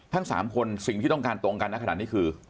ทั้ง๓คนสิ่งที่ต้องการตรงกันนะขนาดนี้คือ